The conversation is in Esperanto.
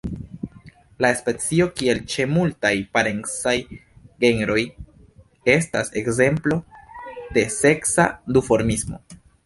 La specio, kiel ĉe multaj parencaj genroj, estas ekzemplo de seksa duformismo.